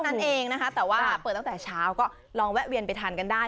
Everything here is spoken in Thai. แต่ว่าเปิดตั้งแต่เช้าก็ลองแวะเวียนไปทานกันได้